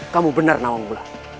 kamu benar nawanggula